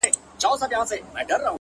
وخت د ارمانونو صداقت ازموي